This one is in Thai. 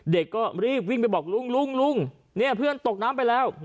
เด็กก็รีบวิ่งไปบอกลุงลุงเนี่ยเพื่อนตกน้ำไปแล้ว